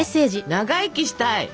「長生きしたい！」。